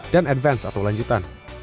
dan advance atau lanjutan